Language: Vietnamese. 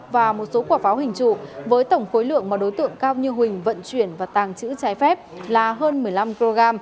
và một số quả pháo hình trụ với tổng khối lượng mà đối tượng cao như huỳnh vận chuyển và tàng trữ trái phép là hơn một mươi năm kg